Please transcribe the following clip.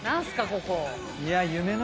ここ。